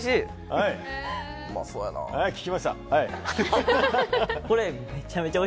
はい、聞きましたよ！